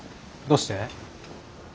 どうして？